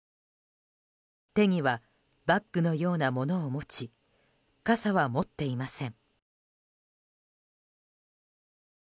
手にはバッグのようなものを持ち傘は持っていません。